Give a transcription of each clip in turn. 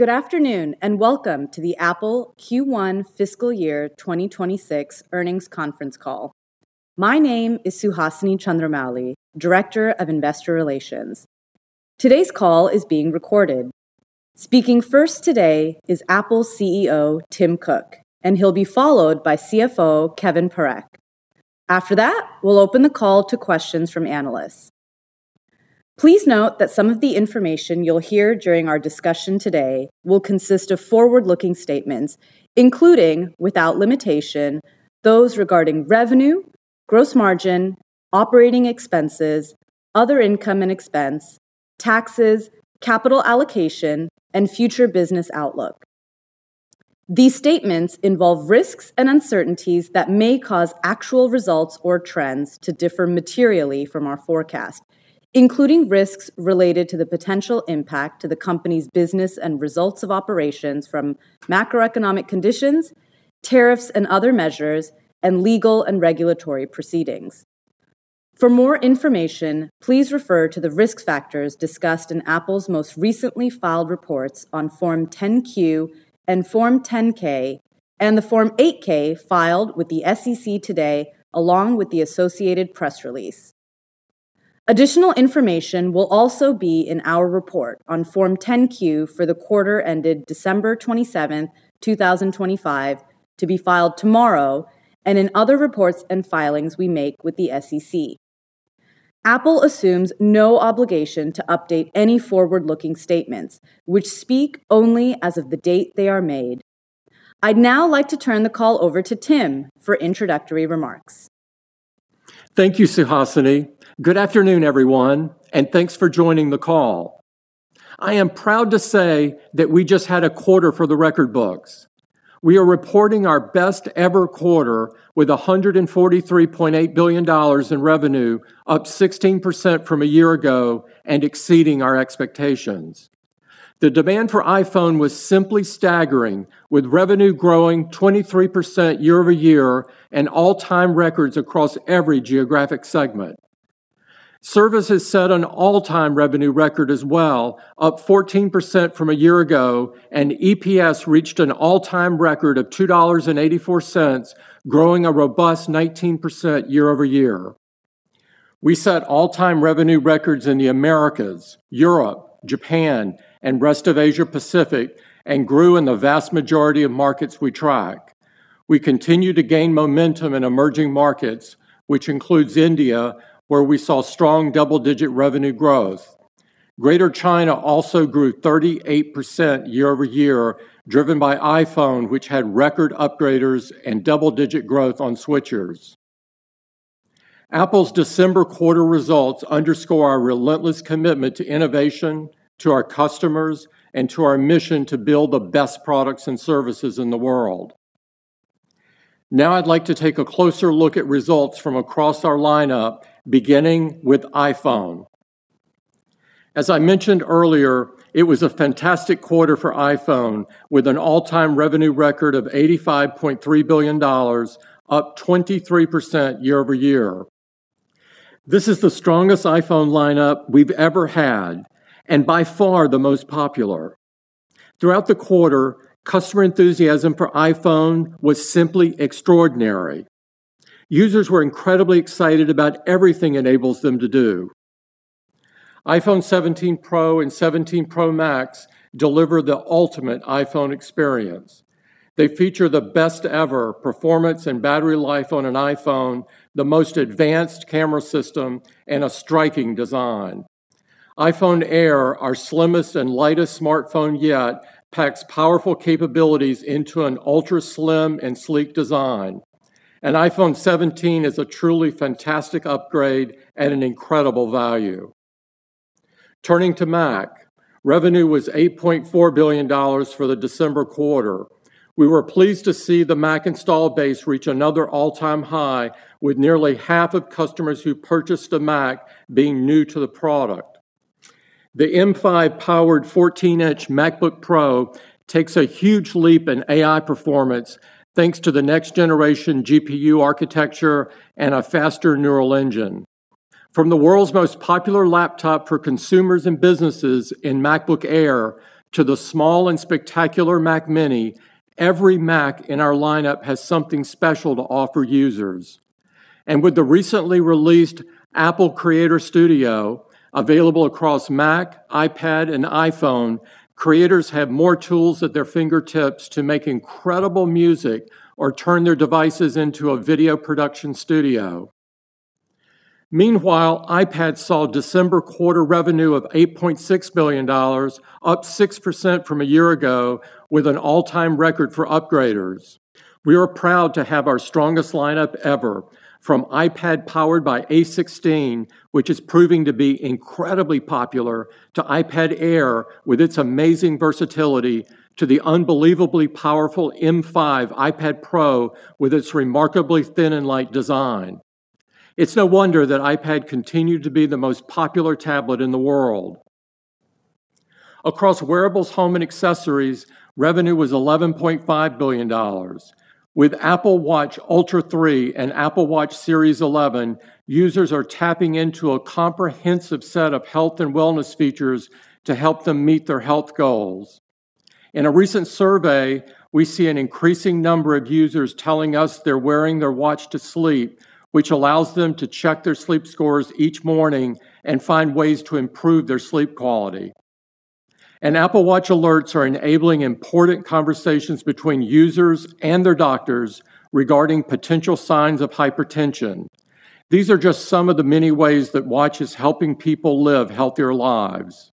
Good afternoon, and welcome to the Apple Q1 Fiscal Year 2026 earnings conference call. My name is Suhasini Chandramouli, Director of Investor Relations. Today's call is being recorded. Speaking first today is Apple CEO, Tim Cook, and he'll be followed by CFO, Kevan Parekh. After that, we'll open the call to questions from analysts. Please note that some of the information you'll hear during our discussion today will consist of forward-looking statements, including, without limitation, those regarding revenue, gross margin, operating expenses, other income and expense, taxes, capital allocation, and future business outlook. These statements involve risks and uncertainties that may cause actual results or trends to differ materially from our forecast, including risks related to the potential impact to the company's business and results of operations from macroeconomic conditions, tariffs and other measures, and legal and regulatory proceedings. For more information, please refer to the risk factors discussed in Apple's most recently filed reports on Form 10-Q and Form 10-K, and the Form 8-K filed with the SEC today, along with the associated press release. Additional information will also be in our report on Form 10-Q for the quarter ended December 27, 2025, to be filed tomorrow, and in other reports and filings we make with the SEC. Apple assumes no obligation to update any forward-looking statements, which speak only as of the date they are made. I'd now like to turn the call over to Tim for introductory remarks. Thank you, Suhasini. Good afternoon, everyone, and thanks for joining the call. I am proud to say that we just had a quarter for the record books. We are reporting our best-ever quarter with $143.8 billion in revenue, up 16% from a year ago and exceeding our expectations. The demand for iPhone was simply staggering, with revenue growing 23% year-over-year and all-time records across every geographic segment. Services set an all-time revenue record as well, up 14% from a year ago, and EPS reached an all-time record of $2.84, growing a robust 19% year-over-year. We set all-time revenue records in the Americas, Europe, Japan, and rest of Asia Pacific, and grew in the vast majority of markets we track. We continue to gain momentum in emerging markets, which includes India, where we saw strong double-digit revenue growth. Greater China also grew 38% year-over-year, driven by iPhone, which had record upgraders and double-digit growth on switchers. Apple's December quarter results underscore our relentless commitment to innovation, to our customers, and to our mission to build the best products and services in the world. Now I'd like to take a closer look at results from across our lineup, beginning with iPhone. As I mentioned earlier, it was a fantastic quarter for iPhone, with an all-time revenue record of $85.3 billion, up 23% year-over-year. This is the strongest iPhone lineup we've ever had, and by far the most popular. Throughout the quarter, customer enthusiasm for iPhone was simply extraordinary. Users were incredibly excited about everything it enables them to do. iPhone 17 Pro and 17 Pro Max deliver the ultimate iPhone experience. They feature the best-ever performance and battery life on an iPhone, the most advanced camera system, and a striking design. iPhone Air, our slimmest and lightest smartphone yet, packs powerful capabilities into an ultra-slim and sleek design. iPhone 17 is a truly fantastic upgrade and an incredible value. Turning to Mac, revenue was $8.4 billion for the December quarter. We were pleased to see the Mac installed base reach another all-time high, with nearly half of customers who purchased a Mac being new to the product. The M5-powered 14-inch MacBook Pro takes a huge leap in AI performance, thanks to the next-generation GPU architecture and a faster Neural Engine. From the world's most popular laptop for consumers and businesses in MacBook Air to the small and spectacular Mac mini, every Mac in our lineup has something special to offer users. And with the recently released Apple Creator Studio, available across Mac, iPad, and iPhone, creators have more tools at their fingertips to make incredible music or turn their devices into a video production studio. Meanwhile, iPad saw December quarter revenue of $8.6 billion, up 6% from a year ago, with an all-time record for upgraders. We are proud to have our strongest lineup ever, from iPad powered by A16, which is proving to be incredibly popular, to iPad Air, with its amazing versatility, to the unbelievably powerful M5 iPad Pro, with its remarkably thin and light design. It's no wonder that iPad continued to be the most popular tablet in the world. Across wearables, home, and accessories, revenue was $11.5 billion. With Apple Watch Ultra 3 and Apple Watch Series 11, users are tapping into a comprehensive set of health and wellness features to help them meet their health goals. In a recent survey, we see an increasing number of users telling us they're wearing their Watch to sleep, which allows them to check their sleep scores each morning and find ways to improve their sleep quality. Apple Watch alerts are enabling important conversations between users and their doctors regarding potential signs of hypertension. These are just some of the many ways that Watch is helping people live healthier lives.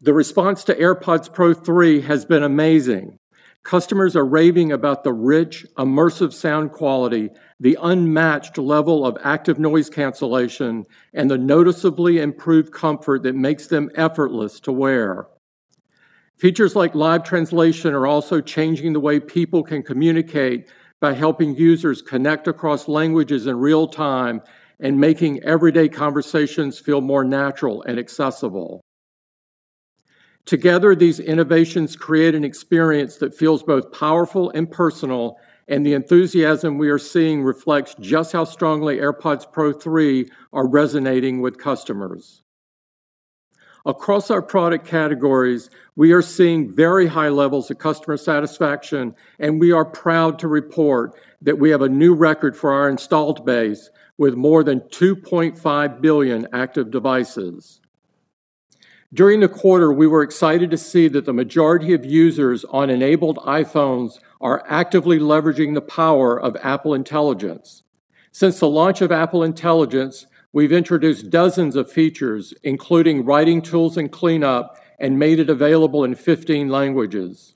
The response to AirPods Pro 3 has been amazing. Customers are raving about the rich, immersive sound quality, the unmatched level of active noise cancellation, and the noticeably improved comfort that makes them effortless to wear. Features like Live Translation are also changing the way people can communicate by helping users connect across languages in real time and making everyday conversations feel more natural and accessible. Together, these innovations create an experience that feels both powerful and personal, and the enthusiasm we are seeing reflects just how strongly AirPods Pro 3 are resonating with customers. Across our product categories, we are seeing very high levels of customer satisfaction, and we are proud to report that we have a new record for our installed base, with more than 2.5 billion active devices. During the quarter, we were excited to see that the majority of users on enabled iPhones are actively leveraging the power of Apple Intelligence. Since the launch of Apple Intelligence, we've introduced dozens of features, including Writing Tools and Clean Up, and made it available in 15 languages.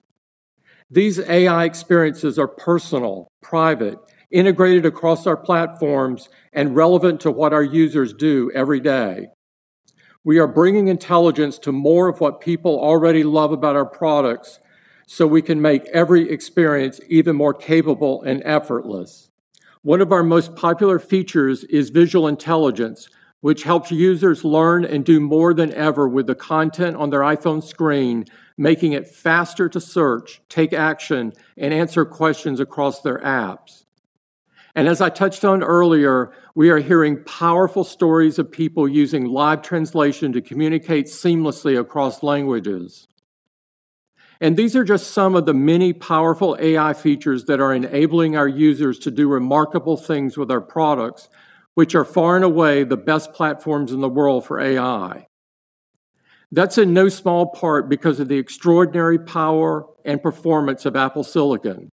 These AI experiences are personal, private, integrated across our platforms, and relevant to what our users do every day. We are bringing intelligence to more of what people already love about our products, so we can make every experience even more capable and effortless. One of our most popular features is Visual Intelligence, which helps users learn and do more than ever with the content on their iPhone screen, making it faster to search, take action, and answer questions across their apps. And as I touched on earlier, we are hearing powerful stories of people using Live Translation to communicate seamlessly across languages. And these are just some of the many powerful AI features that are enabling our users to do remarkable things with our products, which are far and away the best platforms in the world for AI. That's in no small part because of the extraordinary power and performance of Apple Silicon.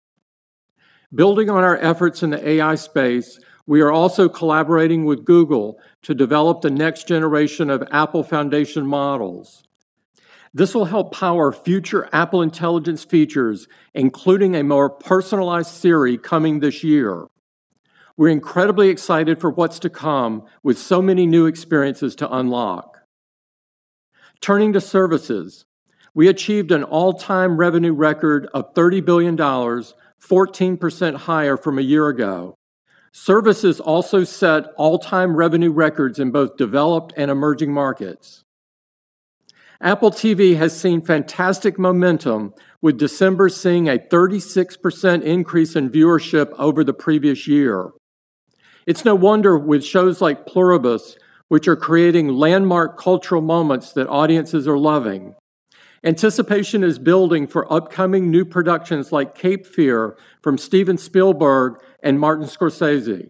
Building on our efforts in the AI space, we are also collaborating with Google to develop the next generation of Apple Foundation Models. This will help power future Apple Intelligence features, including a more personalized Siri coming this year. We're incredibly excited for what's to come with so many new experiences to unlock. Turning to services, we achieved an all-time revenue record of $30 billion, 14% higher from a year ago. Services also set all-time revenue records in both developed and emerging markets. Apple TV has seen fantastic momentum, with December seeing a 36% increase in viewership over the previous year. It's no wonder with shows like Pluribus, which are creating landmark cultural moments that audiences are loving. Anticipation is building for upcoming new productions like Cape Fear from Steven Spielberg and Martin Scorsese,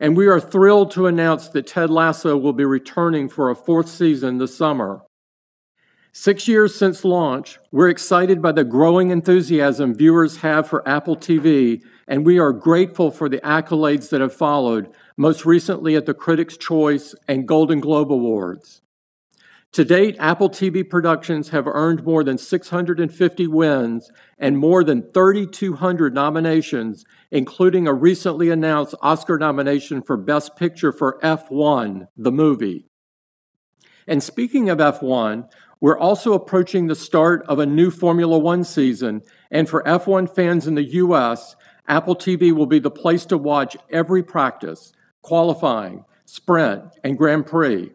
and we are thrilled to announce that Ted Lasso will be returning for a fourth season this summer. Six years since launch, we're excited by the growing enthusiasm viewers have for Apple TV, and we are grateful for the accolades that have followed, most recently at the Critics' Choice and Golden Globe Awards. To date, Apple TV productions have earned more than 650 wins and more than 3,200 nominations, including a recently announced Oscar nomination for Best Picture for F1, the movie. And speaking of F1, we're also approaching the start of a new Formula 1 season, and for F1 fans in the U.S., Apple TV will be the place to watch every practice, qualifying, sprint, and Grand Prix.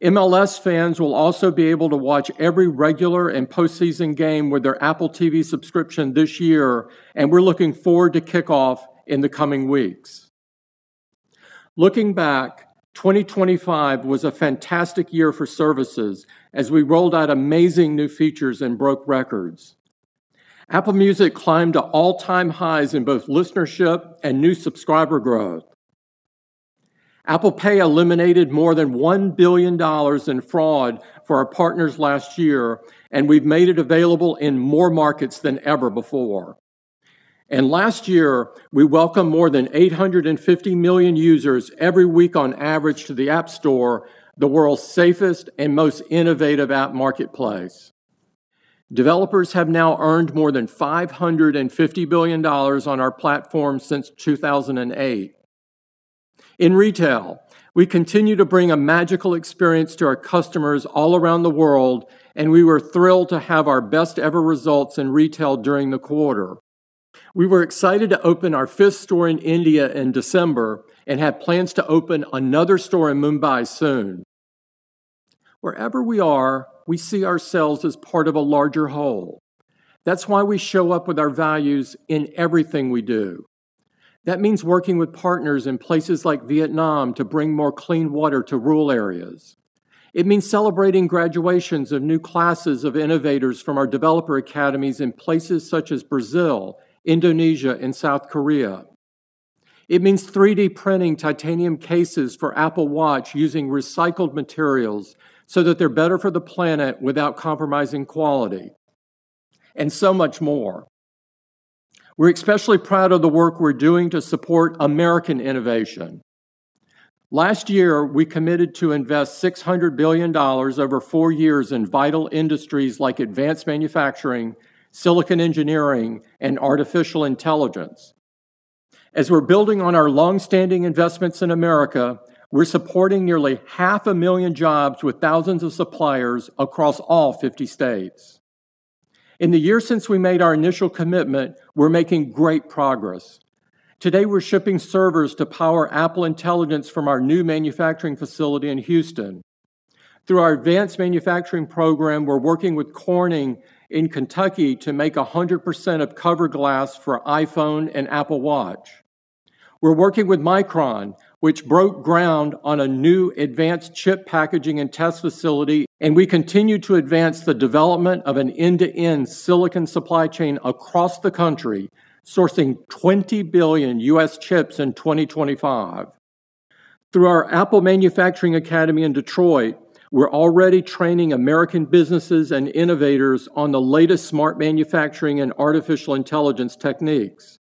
MLS fans will also be able to watch every regular and postseason game with their Apple TV subscription this year, and we're looking forward to kickoff in the coming weeks. Looking back, 2025 was a fantastic year for services as we rolled out amazing new features and broke records. Apple Music climbed to all-time highs in both listenership and new subscriber growth. Apple Pay eliminated more than $1 billion in fraud for our partners last year, and we've made it available in more markets than ever before. Last year, we welcomed more than 850 million users every week on average to the App Store, the world's safest and most innovative app marketplace. Developers have now earned more than $550 billion on our platform since 2008. In retail, we continue to bring a magical experience to our customers all around the world, and we were thrilled to have our best-ever results in retail during the quarter. We were excited to open our fifth store in India in December and have plans to open another store in Mumbai soon. Wherever we are, we see ourselves as part of a larger whole. That's why we show up with our values in everything we do.... That means working with partners in places like Vietnam to bring more clean water to rural areas. It means celebrating graduations of new classes of innovators from our developer academies in places such as Brazil, Indonesia, and South Korea. It means 3D printing titanium cases for Apple Watch using recycled materials so that they're better for the planet without compromising quality, and so much more. We're especially proud of the work we're doing to support American innovation. Last year, we committed to invest $600 billion over four years in vital industries like advanced manufacturing, silicon engineering, and artificial intelligence. As we're building on our long-standing investments in America, we're supporting nearly 500,000 jobs with thousands of suppliers across all 50 states. In the year since we made our initial commitment, we're making great progress. Today, we're shipping servers to power Apple Intelligence from our new manufacturing facility in Houston. Through our advanced manufacturing program, we're working with Corning in Kentucky to make 100% of cover glass for iPhone and Apple Watch. We're working with Micron, which broke ground on a new advanced chip packaging and test facility, and we continue to advance the development of an end-to-end silicon supply chain across the country, sourcing 20 billion U.S. chips in 2025. Through our Apple Manufacturing Academy in Detroit, we're already training American businesses and innovators on the latest smart manufacturing and artificial intelligence techniques.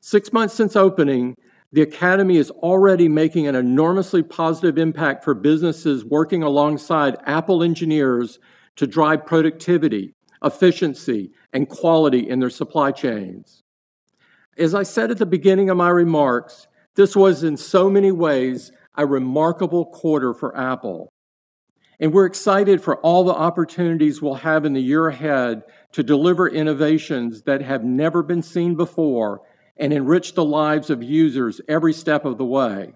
Six months since opening, the academy is already making an enormously positive impact for businesses working alongside Apple engineers to drive productivity, efficiency, and quality in their supply chains. As I said at the beginning of my remarks, this was, in so many ways, a remarkable quarter for Apple, and we're excited for all the opportunities we'll have in the year ahead to deliver innovations that have never been seen before and enrich the lives of users every step of the way.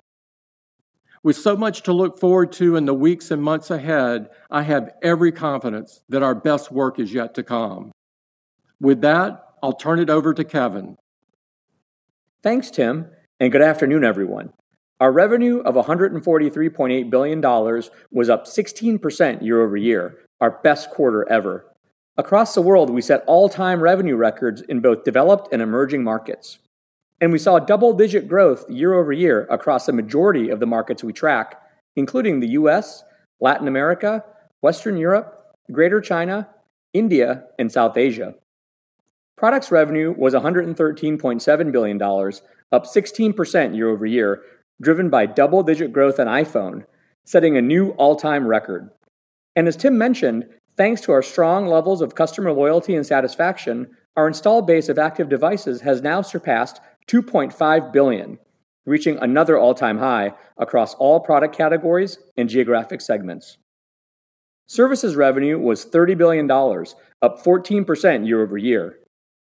With so much to look forward to in the weeks and months ahead, I have every confidence that our best work is yet to come. With that, I'll turn it over to Kevan. Thanks, Tim, and good afternoon, everyone. Our revenue of $143.8 billion was up 16% year-over-year, our best quarter ever. Across the world, we set all-time revenue records in both developed and emerging markets, and we saw double-digit growth year-over-year across the majority of the markets we track, including the U.S., Latin America, Western Europe, Greater China, India, and South Asia. Products revenue was $113.7 billion, up 16% year-over-year, driven by double-digit growth in iPhone, setting a new all-time record. And as Tim mentioned, thanks to our strong levels of customer loyalty and satisfaction, our installed base of active devices has now surpassed 2.5 billion, reaching another all-time high across all product categories and geographic segments. Services revenue was $30 billion, up 14% year-over-year.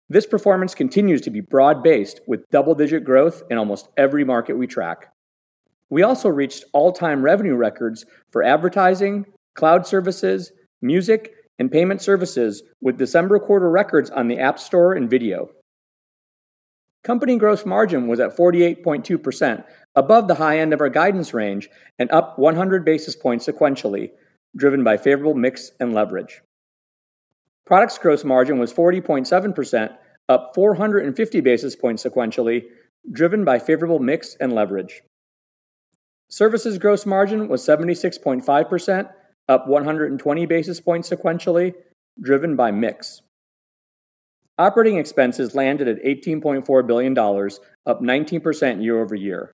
This performance continues to be broad-based, with double-digit growth in almost every market we track. We also reached all-time revenue records for advertising, cloud services, music, and payment services, with December quarter records on the App Store and video. Company gross margin was at 48.2%, above the high end of our guidance range and up 100 basis points sequentially, driven by favorable mix and leverage. Products gross margin was 40.7%, up 450 basis points sequentially, driven by favorable mix and leverage. Services gross margin was 76.5%, up 120 basis points sequentially, driven by mix. Operating expenses landed at $18.4 billion, up 19% year-over-year.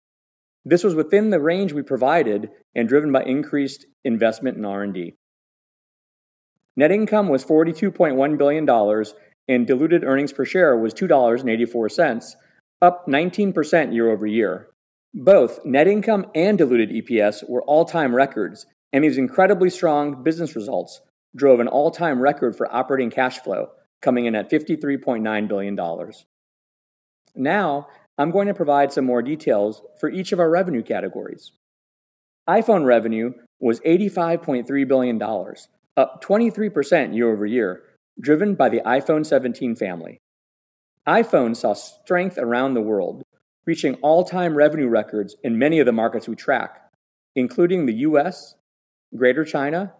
This was within the range we provided and driven by increased investment in R&D. Net income was $42.1 billion, and diluted earnings per share was $2.84, up 19% year-over-year. Both net income and diluted EPS were all-time records, and these incredibly strong business results drove an all-time record for operating cash flow, coming in at $53.9 billion. Now, I'm going to provide some more details for each of our revenue categories. iPhone revenue was $85.3 billion, up 23% year-over-year, driven by the iPhone 17 family. iPhone saw strength around the world, reaching all-time revenue records in many of the markets we track, including the U.S., Greater China,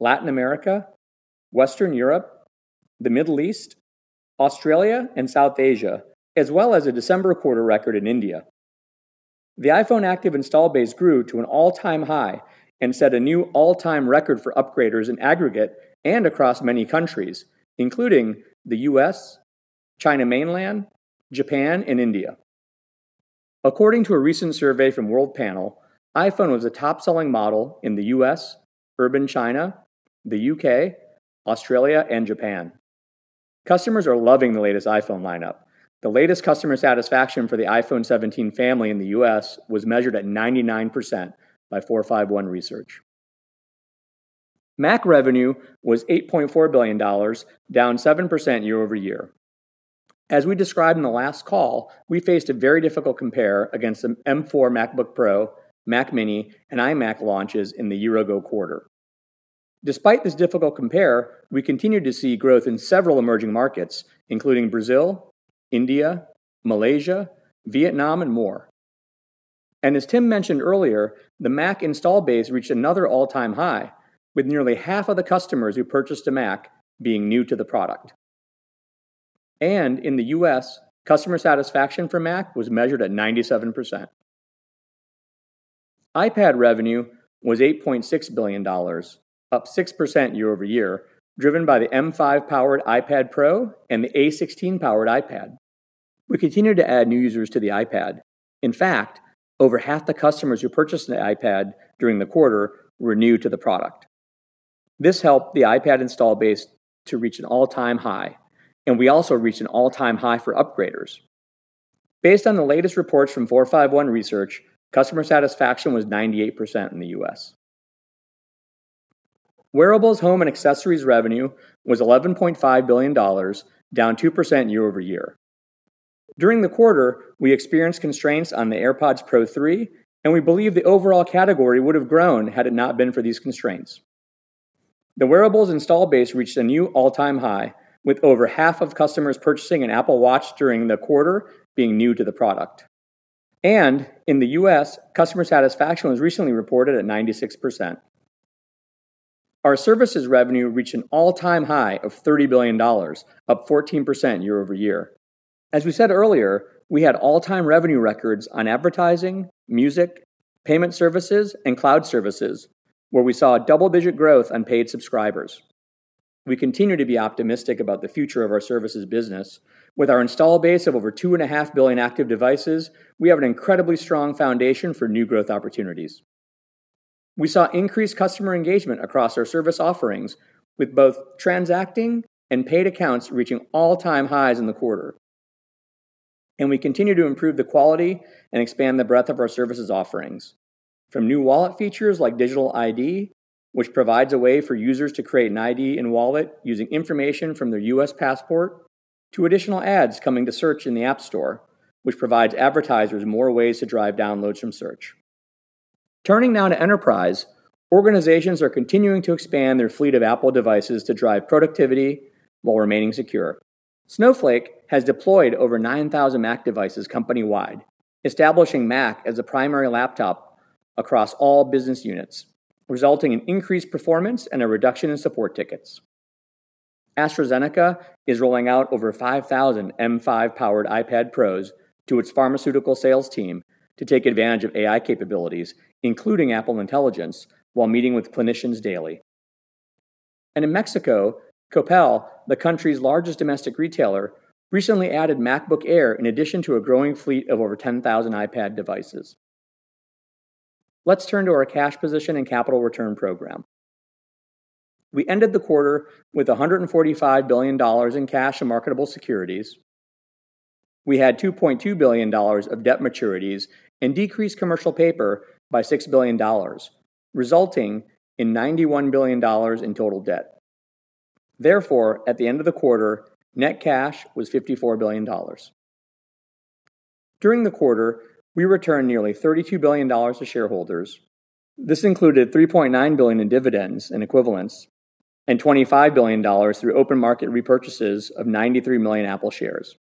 Latin America, Western Europe, the Middle East, Australia, and South Asia, as well as a December quarter record in India. The iPhone active installed base grew to an all-time high and set a new all-time record for upgraders in aggregate and across many countries, including the U.S., China Mainland, Japan, and India. According to a recent survey from Worldpanel, iPhone was the top-selling model in the U.S., Urban China, the U.K., Australia, and Japan. Customers are loving the latest iPhone lineup. The latest customer satisfaction for the iPhone 17 family in the U.S. was measured at 99% by 451 Research. Mac revenue was $8.4 billion, down 7% year-over-year. As we described in the last call, we faced a very difficult compare against the M4 MacBook Pro, Mac mini, and iMac launches in the year-ago quarter. Despite this difficult compare, we continued to see growth in several emerging markets, including Brazil, India, Malaysia, Vietnam, and more. As Tim mentioned earlier, the Mac installed base reached another all-time high, with nearly half of the customers who purchased a Mac being new to the product. In the U.S., customer satisfaction for Mac was measured at 97%. iPad revenue was $8.6 billion, up 6% year-over-year, driven by the M5-powered iPad Pro and the A16-powered iPad. We continued to add new users to the iPad. In fact, over half the customers who purchased an iPad during the quarter were new to the product. This helped the iPad installed base to reach an all-time high, and we also reached an all-time high for upgraders. Based on the latest reports from 451 Research, customer satisfaction was 98% in the U.S. Wearables, home, and accessories revenue was $11.5 billion, down 2% year-over-year. During the quarter, we experienced constraints on the AirPods Pro 3, and we believe the overall category would have grown had it not been for these constraints. The wearables installed base reached a new all-time high, with over half of customers purchasing an Apple Watch during the quarter being new to the product. In the U.S., customer satisfaction was recently reported at 96%. Our services revenue reached an all-time high of $30 billion, up 14% year-over-year. As we said earlier, we had all-time revenue records on advertising, music, payment services, and cloud services, where we saw a double-digit growth on paid subscribers. We continue to be optimistic about the future of our services business. With our installed base of over 2.5 billion active devices, we have an incredibly strong foundation for new growth opportunities. We saw increased customer engagement across our service offerings, with both transacting and paid accounts reaching all-time highs in the quarter. We continue to improve the quality and expand the breadth of our services offerings. From new Wallet features like Digital ID, which provides a way for users to create an ID in Wallet using information from their U.S. passport, to additional ads coming to search in the App Store, which provides advertisers more ways to drive downloads from search. Turning now to enterprise, organizations are continuing to expand their fleet of Apple devices to drive productivity while remaining secure. Snowflake has deployed over 9,000 Mac devices company-wide, establishing Mac as a primary laptop across all business units, resulting in increased performance and a reduction in support tickets. AstraZeneca is rolling out over 5,000 M5-powered iPad Pros to its pharmaceutical sales team to take advantage of AI capabilities, including Apple Intelligence, while meeting with clinicians daily. In Mexico, Coppel, the country's largest domestic retailer, recently added MacBook Air in addition to a growing fleet of over 10,000 iPad devices. Let's turn to our cash position and capital return program. We ended the quarter with $145 billion in cash and marketable securities. We had $2.2 billion of debt maturities and decreased commercial paper by $6 billion, resulting in $91 billion in total debt. Therefore, at the end of the quarter, net cash was $54 billion. During the quarter, we returned nearly $32 billion to shareholders. This included $3.9 billion in dividends and equivalents and $25 billion through open market repurchases of 93 million Apple shares.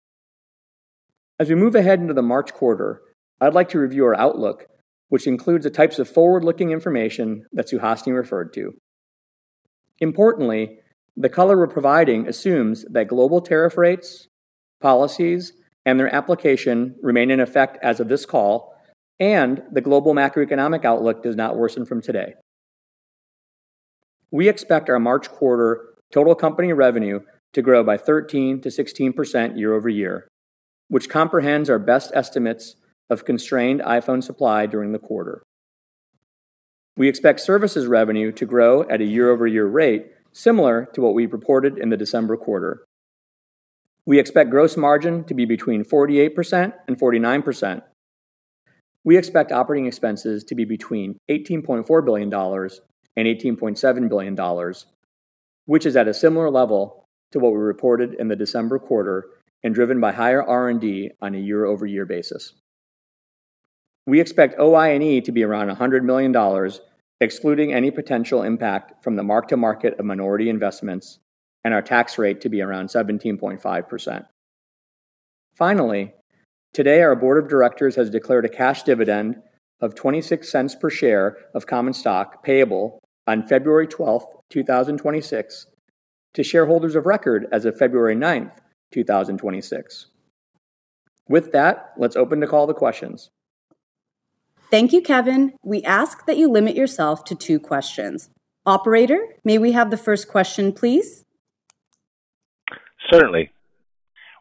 As we move ahead into the March quarter, I'd like to review our outlook, which includes the types of forward-looking information that Suhasini referred to. Importantly, the color we're providing assumes that global tariff rates, policies, and their application remain in effect as of this call, and the global macroeconomic outlook does not worsen from today. We expect our March quarter total company revenue to grow by 13%-16% year-over-year, which comprehends our best estimates of constrained iPhone supply during the quarter. We expect services revenue to grow at a year-over-year rate, similar to what we reported in the December quarter. We expect gross margin to be between 48% and 49%. We expect operating expenses to be between $18.4 billion and $18.7 billion, which is at a similar level to what we reported in the December quarter and driven by higher R&D on a year-over-year basis. We expect OI&E to be around $100 million, excluding any potential impact from the Mark-to-Market of minority investments and our tax rate to be around 17.5%. Finally, today, our board of directors has declared a cash dividend of $0.26 per share of common stock payable on February 12th, 2026, to shareholders of record as of February 9th, 2026. With that, let's open the call to questions. Thank you, Kevan. We ask that you limit yourself to two questions. Operator, may we have the first question, please? Certainly.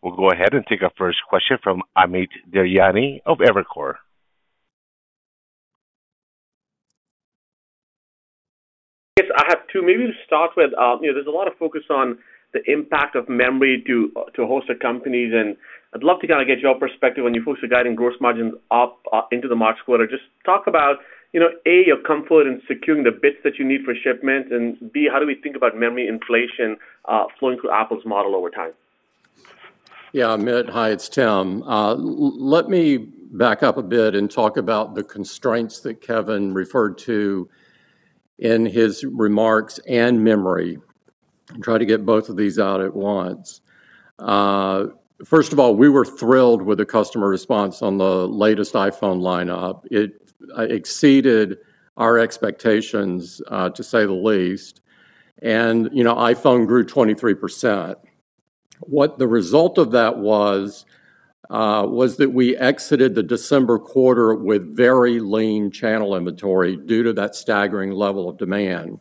We'll go ahead and take our first question from Amit Daryanani of Evercore. Yes, I have two. Maybe to start with, you know, there's a lot of focus on the impact of memory to a host of companies, and I'd love to kind of get your perspective when you folks are guiding gross margins up into the March quarter. Just talk about, you know, A, your comfort in securing the bits that you need for shipment, and B, how do we think about memory inflation flowing through Apple's model over time?... Yeah, Amit. Hi, it's Tim. Let me back up a bit and talk about the constraints that Kevan referred to in his remarks and memory, and try to get both of these out at once. First of all, we were thrilled with the customer response on the latest iPhone lineup. It exceeded our expectations, to say the least, and, you know, iPhone grew 23%. What the result of that was was that we exited the December quarter with very lean channel inventory due to that staggering level of demand.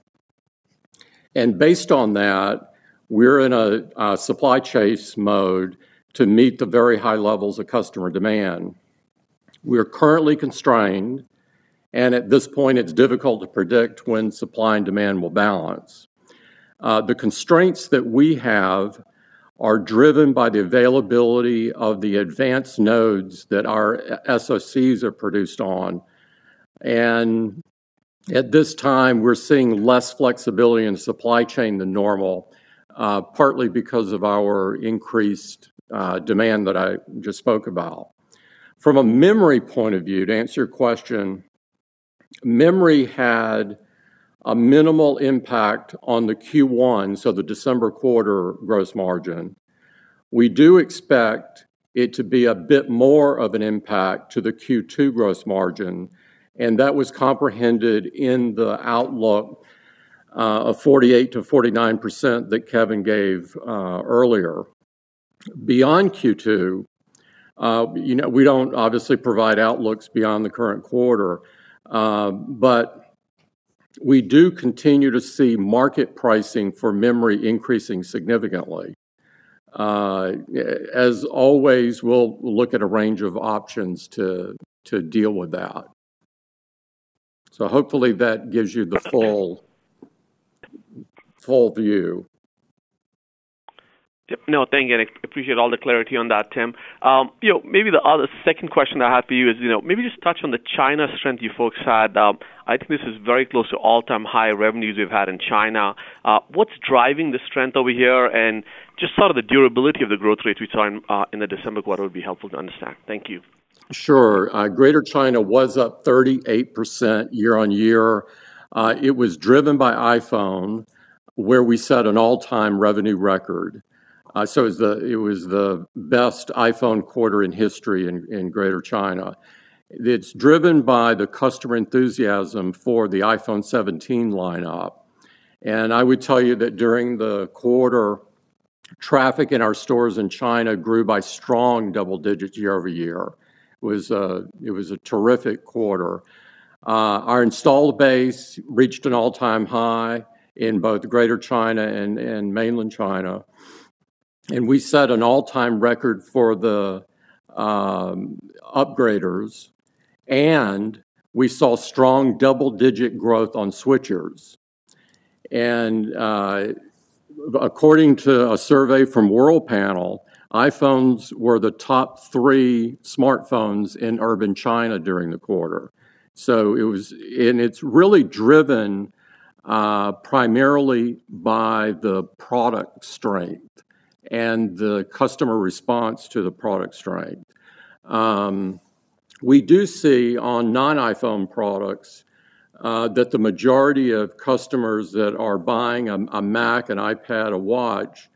And based on that, we're in a supply chase mode to meet the very high levels of customer demand. We are currently constrained, and at this point, it's difficult to predict when supply and demand will balance. The constraints that we have are driven by the availability of the advanced nodes that our SoCs are produced on. At this time, we're seeing less flexibility in the supply chain than normal, partly because of our increased demand that I just spoke about. From a memory point of view, to answer your question, memory had a minimal impact on the Q1, the December quarter gross margin. We do expect it to be a bit more of an impact to the Q2 gross margin, and that was comprehended in the outlook of 48%-49% that Kevan gave earlier. Beyond Q2, you know, we don't obviously provide outlooks beyond the current quarter, but we do continue to see market pricing for memory increasing significantly. As always, we'll look at a range of options to deal with that. Hopefully that gives you the full, full view. Yep. No, thank you, and I appreciate all the clarity on that, Tim. You know, maybe the other second question I have for you is, you know, maybe just touch on the China strength you folks had. I think this is very close to all-time high revenues you've had in China. What's driving the strength over here? And just sort of the durability of the growth rate we saw in, in the December quarter would be helpful to understand. Thank you. Sure. Greater China was up 38% year-over-year. It was driven by iPhone, where we set an all-time revenue record. So it was the best iPhone quarter in history in Greater China. It's driven by the customer enthusiasm for the iPhone 17 lineup. And I would tell you that during the quarter, traffic in our stores in China grew by strong double digits year-over-year. It was a terrific quarter. Our installed base reached an all-time high in both Greater China and Mainland China, and we set an all-time record for the upgraders, and we saw strong double-digit growth on switchers. And according to a survey from Worldpanel, iPhones were the top three smartphones in Urban China during the quarter. So it was and it's really driven primarily by the product strength and the customer response to the product strength. We do see on non-iPhone products that the majority of customers that are buying a Mac, an iPad, a watch,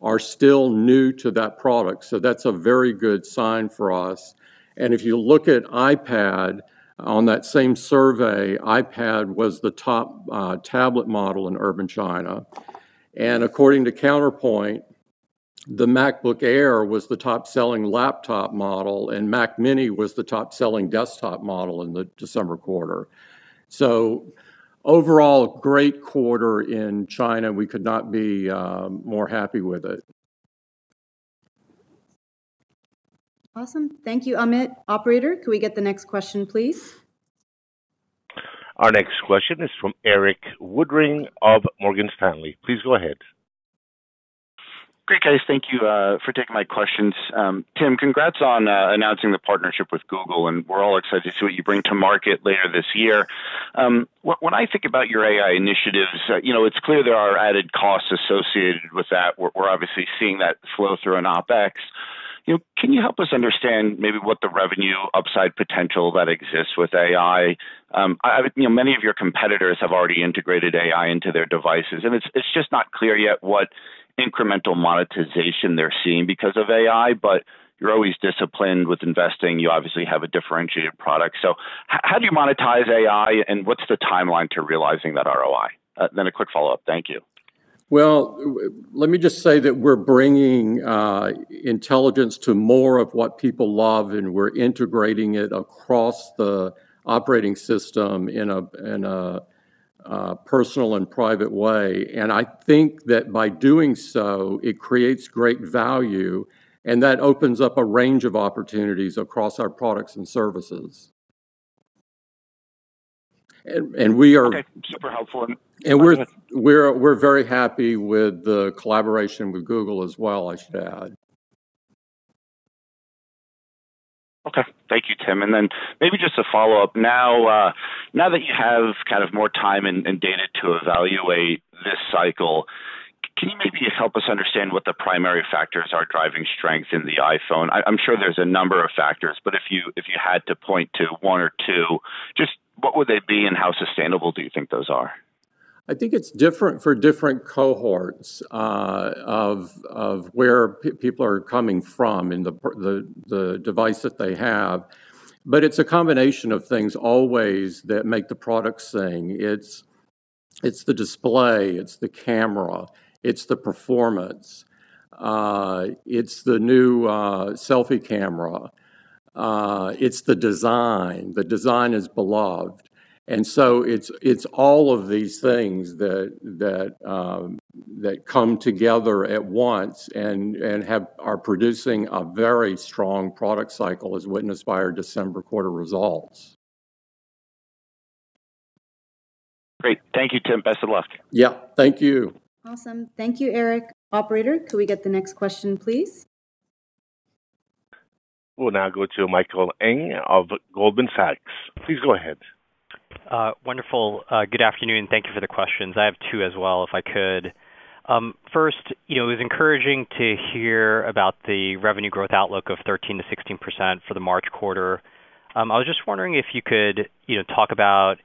are still new to that product, so that's a very good sign for us. And if you look at iPad, on that same survey, iPad was the top tablet model in Urban China. And according to Counterpoint, the MacBook Air was the top-selling laptop model, and Mac mini was the top-selling desktop model in the December quarter. So overall, a great quarter in China. We could not be more happy with it. Awesome. Thank you, Amit. Operator, could we get the next question, please? Our next question is from Erik Woodring of Morgan Stanley. Please go ahead. Great, guys. Thank you for taking my questions. Tim, congrats on announcing the partnership with Google, and we're all excited to see what you bring to market later this year. When I think about your AI initiatives, you know, it's clear there are added costs associated with that. We're obviously seeing that flow through in OpEx. You know, can you help us understand maybe what the revenue upside potential that exists with AI? You know, many of your competitors have already integrated AI into their devices, and it's just not clear yet what incremental monetization they're seeing because of AI, but you're always disciplined with investing. You obviously have a differentiated product. So how do you monetize AI, and what's the timeline to realizing that ROI? Then a quick follow-up. Thank you. Well, let me just say that we're bringing intelligence to more of what people love, and we're integrating it across the operating system in a personal and private way. I think that by doing so, it creates great value, and that opens up a range of opportunities across our products and services. And we are- Okay, super helpful. And we're- Thanks. We're very happy with the collaboration with Google as well, I should add. Thank you, Tim. And then maybe just a follow-up. Now, now that you have kind of more time and, and data to evaluate this cycle, can you maybe help us understand what the primary factors are driving strength in the iPhone? I'm sure there's a number of factors, but if you, if you had to point to one or two, just what would they be, and how sustainable do you think those are? I think it's different for different cohorts of where people are coming from and the device that they have. But it's a combination of things always that make the product sing. It's the display, it's the camera, it's the performance, it's the new selfie camera, it's the design. The design is beloved. And so it's all of these things that come together at once and are producing a very strong product cycle, as witnessed by our December quarter results. Great. Thank you, Tim. Best of luck. Yeah, thank you. Awesome. Thank you, Erik. Operator, could we get the next question, please? We'll now go to Michael Ng of Goldman Sachs. Please go ahead. Wonderful. Good afternoon, and thank you for the questions. I have two as well, if I could. First, you know, it was encouraging to hear about the revenue growth outlook of 13%-16% for the March quarter. I was just wondering if you could, you know, talk about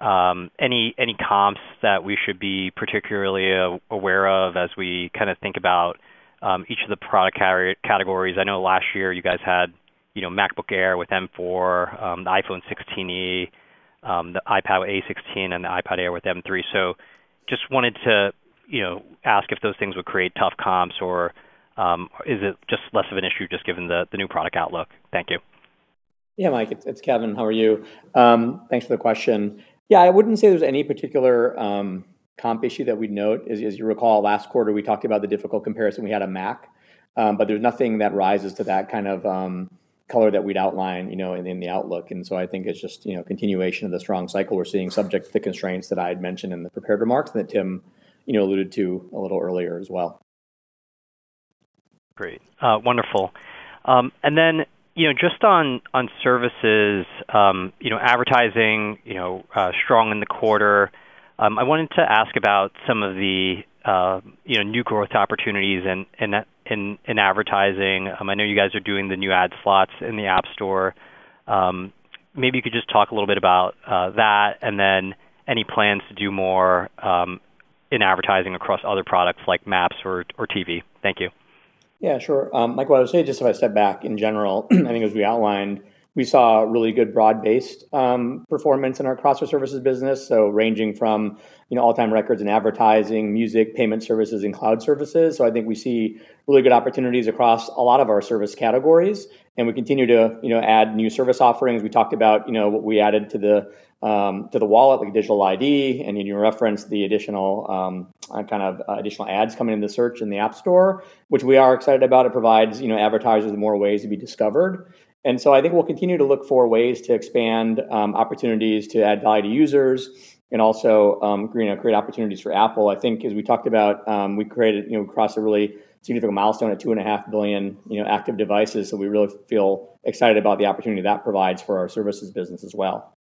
any comps that we should be particularly aware of as we kind of think about each of the product categories. I know last year you guys had, you know, MacBook Air with M4, the iPhone 16e, the iPad A16, and the iPad Air with M3. So just wanted to, you know, ask if those things would create tough comps, or is it just less of an issue just given the new product outlook? Thank you. Yeah, Mike, it's Kevan. How are you? Thanks for the question. Yeah, I wouldn't say there's any particular comp issue that we'd note. As you recall, last quarter, we talked about the difficult comparison we had on Mac, but there's nothing that rises to that kind of color that we'd outline, you know, in the outlook. And so I think it's just, you know, continuation of the strong cycle we're seeing, subject to the constraints that I had mentioned in the prepared remarks and that Tim, you know, alluded to a little earlier as well. Great. Wonderful. And then, you know, just on services, you know, advertising, you know, strong in the quarter. I wanted to ask about some of the, you know, new growth opportunities in advertising. I know you guys are doing the new ad slots in the App Store. Maybe you could just talk a little bit about that and then any plans to do more in advertising across other products like Maps or TV. Thank you. Yeah, sure. Mike, what I would say, just if I step back, in general, I think as we outlined, we saw really good broad-based performance in our cross-sell services business, so ranging from, you know, all-time records in advertising, music, payment services, and cloud services. So I think we see really good opportunities across a lot of our service categories, and we continue to, you know, add new service offerings. We talked about, you know, what we added to the Wallet, like Digital ID, and you referenced the additional kind of additional ads coming into search in the App Store, which we are excited about. It provides, you know, advertisers more ways to be discovered. And so I think we'll continue to look for ways to expand opportunities to add value to users and also, you know, create opportunities for Apple. I think as we talked about, we created, you know, across a really significant milestone of 2.5 billion, you know, active devices, so we really feel excited about the opportunity that provides for our services business as well.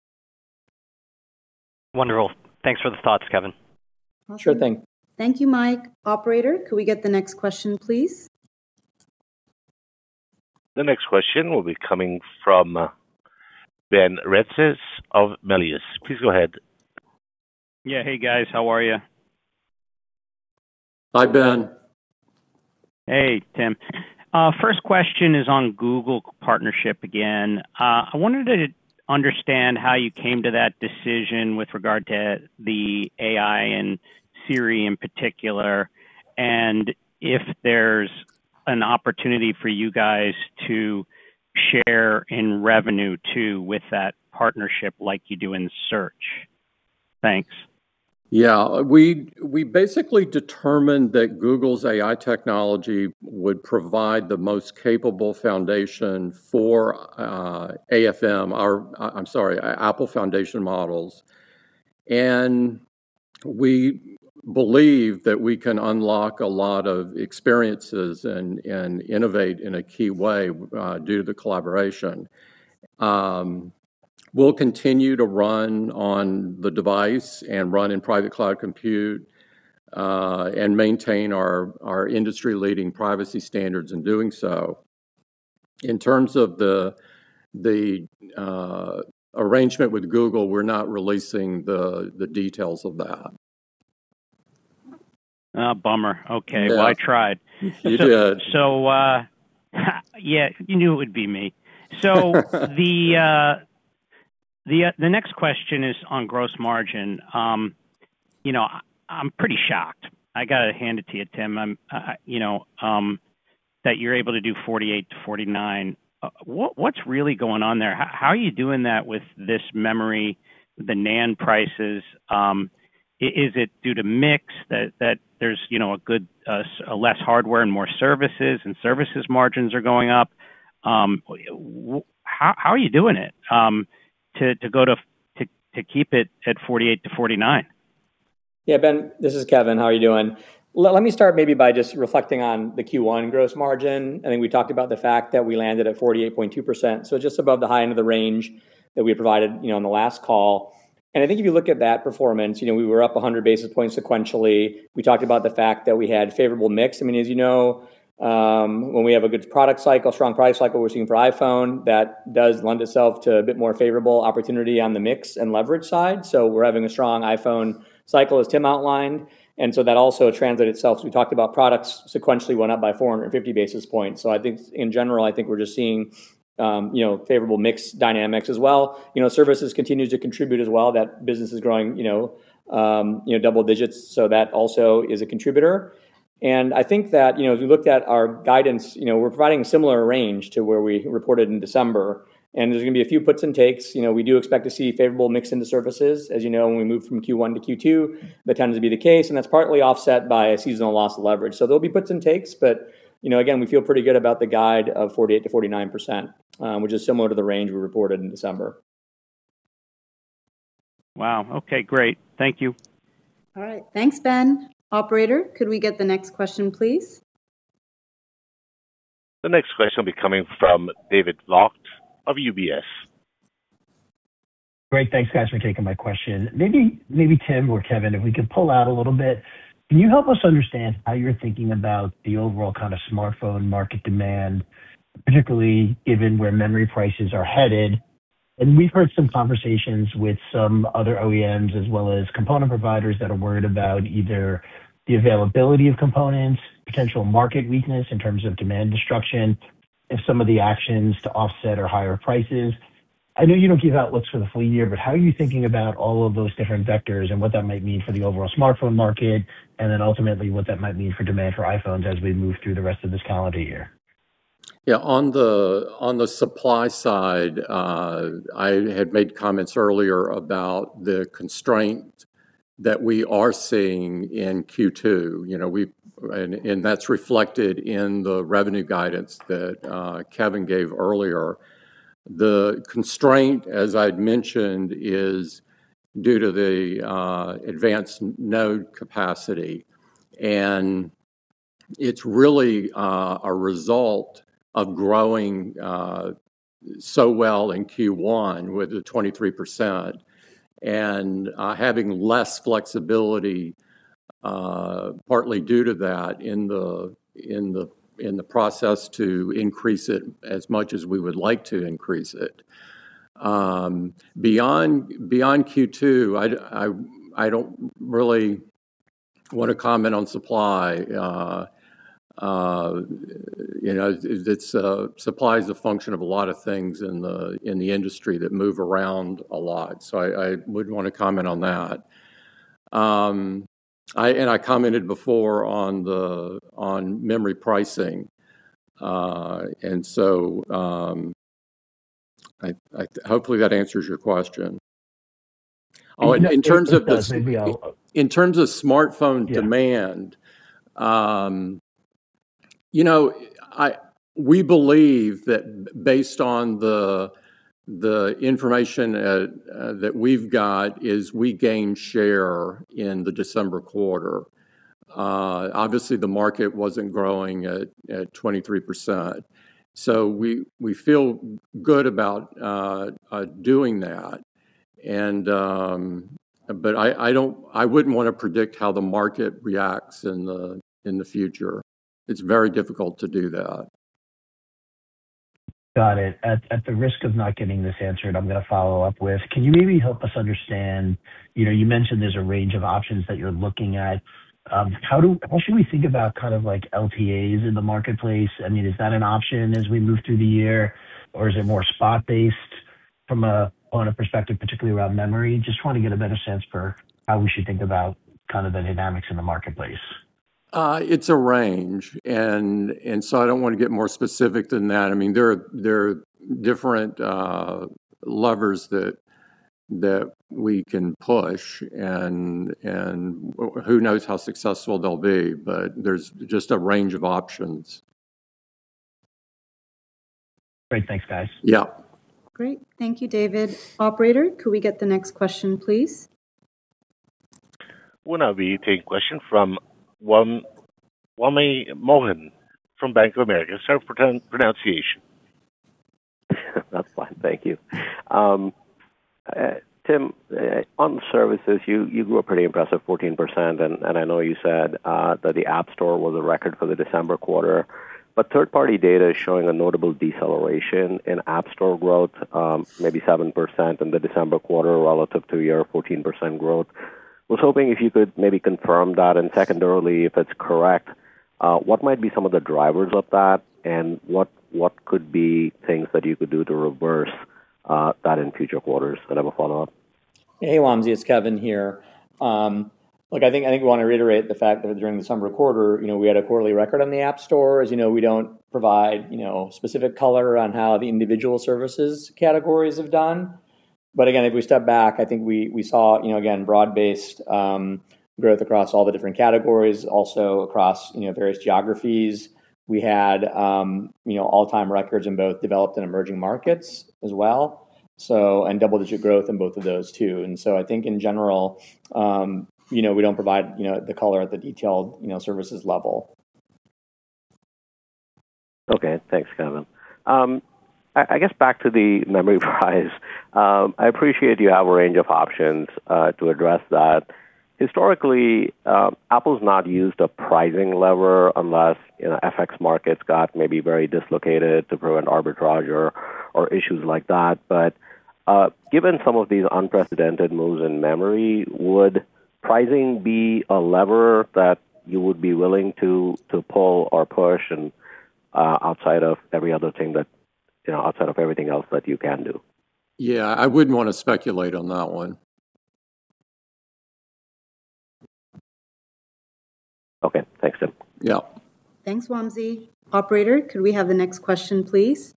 Wonderful. Thanks for the thoughts, Kevan. Sure thing. Thank you, Mike. Operator, could we get the next question, please? The next question will be coming from, Ben Reitzes of Melius. Please go ahead. Yeah. Hey, guys. How are you? Hi, Ben. Hey, Tim. First question is on Google partnership again. I wanted to understand how you came to that decision with regard to the AI and Siri in particular, and if there's an opportunity for you guys to share in revenue, too, with that partnership like you do in search. Thanks. Yeah, we basically determined that Google's AI technology would provide the most capable foundation for AFM, or I'm sorry, Apple Foundation Models. And we believe that we can unlock a lot of experiences and innovate in a key way due to the collaboration. We'll continue to run on the device and run in Private Cloud Compute and maintain our industry-leading privacy standards in doing so. In terms of the arrangement with Google, we're not releasing the details of that. Ah, bummer. Yeah. Okay, well, I tried. You did. So, yeah, you knew it would be me. So the next question is on gross margin. You know, I'm pretty shocked, I gotta hand it to you, Tim, you know, that you're able to do 48%-49%. What's really going on there? How are you doing that with this memory, the NAND prices? Is it due to mix that there's, you know, a good less hardware and more services, and services margins are going up? How are you doing it to keep it at 48%-49%? Yeah, Ben, this is Kevan. How are you doing? Let me start maybe by just reflecting on the Q1 gross margin. I think we talked about the fact that we landed at 48.2%, so just above the high end of the range that we provided, you know, on the last call. And I think if you look at that performance, you know, we were up 100 basis points sequentially. We talked about the fact that we had favorable mix. I mean, as you know, when we have a good product cycle, strong product cycle, we're seeing for iPhone, that does lend itself to a bit more favorable opportunity on the mix and leverage side. So we're having a strong iPhone cycle, as Tim outlined, and so that also translated itself. We talked about products sequentially went up by 450 basis points. So I think in general, I think we're just seeing, you know, favorable mix dynamics as well. You know, services continues to contribute as well. That business is growing, you know, you know, double digits, so that also is a contributor. And I think that, you know, if you looked at our guidance, you know, we're providing a similar range to where we reported in December, and there's going to be a few puts and takes. You know, we do expect to see favorable mix in the services. As you know, when we move from Q1 to Q2, that tends to be the case, and that's partly offset by a seasonal loss of leverage. There'll be puts and takes, but, you know, again, we feel pretty good about the guide of 48%-49%, which is similar to the range we reported in December. Wow! Okay, great. Thank you. All right. Thanks, Ben. Operator, could we get the next question, please? The next question will be coming from David Vogt of UBS. Great. Thanks, guys, for taking my question. Maybe, maybe Tim or Kevan, if we could pull out a little bit, can you help us understand how you're thinking about the overall kind of smartphone market demand, particularly given where memory prices are headed? And we've heard some conversations with some other OEMs as well as component providers that are worried about either the availability of components, potential market weakness in terms of demand destruction, and some of the actions to offset or higher prices. I know you don't give outlooks for the full year, but how are you thinking about all of those different vectors and what that might mean for the overall smartphone market, and then ultimately what that might mean for demand for iPhones as we move through the rest of this calendar year? Yeah, on the supply side, I had made comments earlier about the constraint that we are seeing in Q2. You know, that's reflected in the revenue guidance that Kevan gave earlier. The constraint, as I'd mentioned, is due to the advanced node capacity, and it's really a result of growing so well in Q1 with the 23% and having less flexibility, partly due to that in the process, to increase it as much as we would like to increase it. Beyond Q2, I don't really want to comment on supply, you know, it's supply is a function of a lot of things in the industry that move around a lot. So I wouldn't want to comment on that. I... I commented before on the memory pricing, and so, hopefully, that answers your question. It does, maybe I'll- In terms of smartphone demand- Yeah. You know, we believe that based on the information that we've got is we gained share in the December quarter. Obviously, the market wasn't growing at 23%, so we feel good about doing that. But I wouldn't want to predict how the market reacts in the future. It's very difficult to do that. Got it. At the risk of not getting this answered, I'm going to follow up with, can you maybe help us understand, you know, you mentioned there's a range of options that you're looking at. What should we think about kind of like LTAs in the marketplace? I mean, is that an option as we move through the year, or is it more spot-based from a, on a perspective, particularly around memory? Just want to get a better sense for how we should think about kind of the dynamics in the marketplace. It's a range, and so I don't want to get more specific than that. I mean, there are different levers that we can push, and who knows how successful they'll be, but there's just a range of options. Great. Thanks, guys. Yeah. Great. Thank you, David. Operator, could we get the next question, please? We'll now be taking a question from Wamsi Mohan from Bank of America. Sorry for the pronunciation. That's fine. Thank you. Tim, on services, you grew a pretty impressive 14%, and I know you said that the App Store was a record for the December quarter, but third-party data is showing a notable deceleration in App Store growth, maybe 7% in the December quarter relative to your 14% growth. I was hoping if you could maybe confirm that, and secondarily, if it's correct, what might be some of the drivers of that, and what could be things that you could do to reverse that in future quarters? And I have a follow-up. Hey, Wamsi, it's Kevan here. Look, I think we want to reiterate the fact that during the summer quarter, you know, we had a quarterly record on the App Store. As you know, we don't provide, you know, specific color on how the individual services categories have done. But again, if we step back, I think we saw, you know, again, broad-based growth across all the different categories, also across, you know, various geographies. We had, you know, all-time records in both developed and emerging markets as well, so, and double-digit growth in both of those too. And so I think in general, you know, we don't provide, you know, the color at the detailed, you know, services level. Okay, thanks, Kevan. I guess back to the memory price. I appreciate you have a range of options to address that. Historically, Apple's not used a pricing lever unless, you know, FX markets got maybe very dislocated to prevent arbitrage or issues like that. But, given some of these unprecedented moves in memory, would pricing be a lever that you would be willing to pull or push and, outside of every other thing that, you know, outside of everything else that you can do? Yeah, I wouldn't want to speculate on that one. Okay, thanks, Tim. Yeah. Thanks, Wamsi. Operator, could we have the next question, please?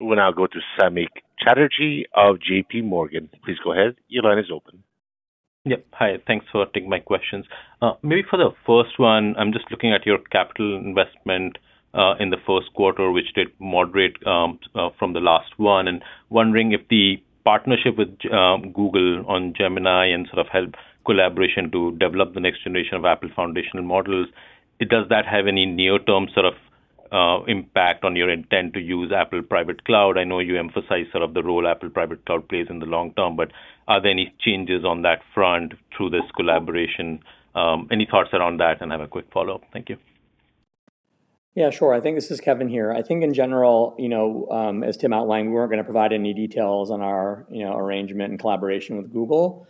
We'll now go to Samik Chatterjee of JPMorgan. Please go ahead. Your line is open. Yep. Hi, thanks for taking my questions. Maybe for the first one, I'm just looking at your capital investment in the first quarter, which did moderate from the last one, and wondering if the partnership with Google on Gemini and sort of help collaboration to develop the next generation of Apple Foundation Models, does that have any near-term sort of impact on your intent to use Apple Private Cloud Compute? I know you emphasize sort of the role Apple Private Cloud Compute plays in the long term, but are there any changes on that front through this collaboration? Any thoughts around that? And I have a quick follow-up. Thank you. Yeah, sure. I think this is Kevan here. I think in general, you know, as Tim outlined, we weren't going to provide any details on our, you know, arrangement and collaboration with Google.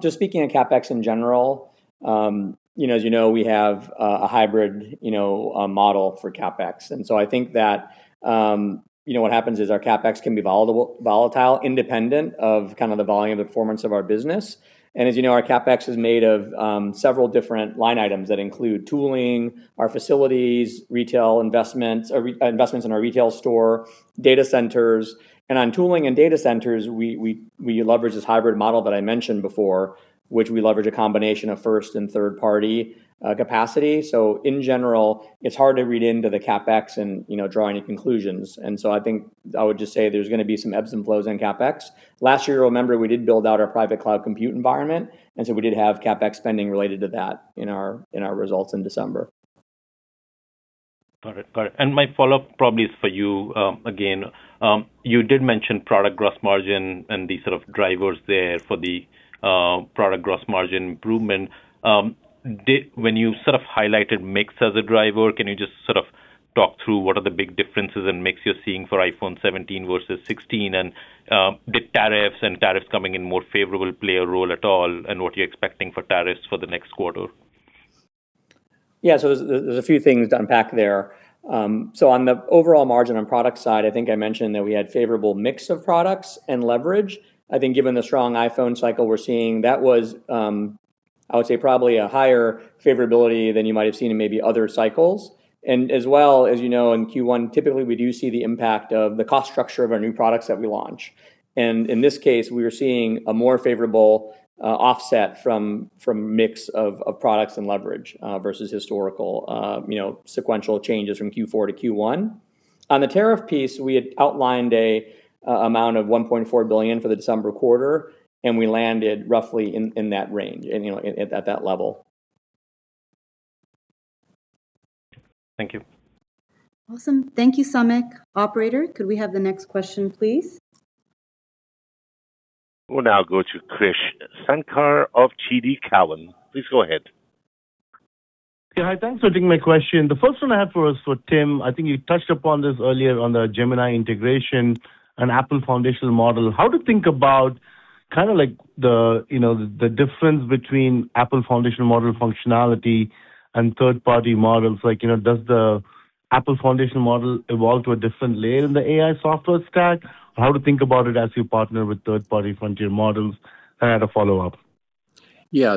Just speaking of CapEx in general, you know, as you know, we have a hybrid, you know, model for CapEx. And so I think that, you know, what happens is our CapEx can be volatile, independent of kind of the volume and performance of our business. And as you know, our CapEx is made of several different line items that include tooling, our facilities, retail investments, or investments in our retail store, data centers. And on tooling and data centers, we leverage this hybrid model that I mentioned before, which we leverage a combination of first and third-party capacity. In general, it's hard to read into the CapEx and, you know, draw any conclusions. I think I would just say there's going to be some ebbs and flows in CapEx. Last year, remember, we did build out our Private Cloud Compute environment, and so we did have CapEx spending related to that in our results in December. Got it. Got it. And my follow-up probably is for you, again. You did mention product gross margin and the sort of drivers there for the product gross margin improvement. When you sort of highlighted mix as a driver, can you just sort of talk through what are the big differences in mix you're seeing for iPhone 17 versus 16? And, did tariffs and tariffs coming in more favorable play a role at all, and what are you expecting for tariffs for the next quarter? Yeah, so there's a few things to unpack there. So on the overall margin and product side, I think I mentioned that we had favorable mix of products and leverage. I think given the strong iPhone cycle we're seeing, that was, I would say, probably a higher favorability than you might have seen in maybe other cycles. And as well, as you know, in Q1, typically we do see the impact of the cost structure of our new products that we launch. And in this case, we are seeing a more favorable offset from mix of products and leverage versus historical, you know, sequential changes from Q4 to Q1. On the tariff piece, we had outlined an amount of $1.4 billion for the December quarter, and we landed roughly in that range, you know, at that level. Thank you. Awesome. Thank you, Samik. Operator, could we have the next question, please? We'll now go to Krish Sankar of TD Cowen. Please go ahead. Okay. Hi, thanks for taking my question. The first one I have for us, for Tim, I think you touched upon this earlier on the Gemini integration and Apple foundational model. How to think about kind of like the, you know, the difference between Apple foundational model functionality and third-party models? Like, you know, does the Apple foundational model evolve to a different layer in the AI software stack? How to think about it as you partner with third-party frontier models? I had a follow-up. Yeah,